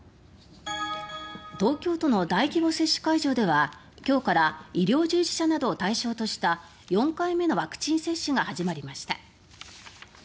東京都の大規模接種会場では今日から医療従事者などを対象とした４回目のワクチン接種を始めました。